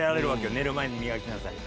寝る前にみがきなさいと。